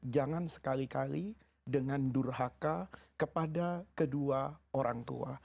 jangan sekali kali dengan durhaka kepada kedua orang tua